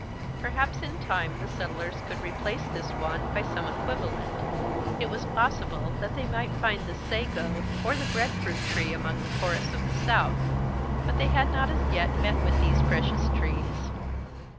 Perhaps in time the settlers could replace this want by some equivalent, it was possible that they might find the sago or the breadfruit tree among the forests of the south, but they had not as yet met with these precious trees.